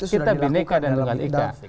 kita bineka dan bingkai ikat